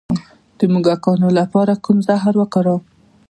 د موږکانو لپاره کوم زهر وکاروم؟